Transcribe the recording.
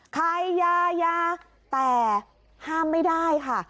ขายยายาแต่ห้ามไม่ได้ค่ะ